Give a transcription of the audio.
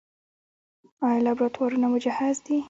آیا لابراتوارونه مجهز دي؟